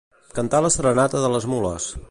Cantar la serenata de les mules.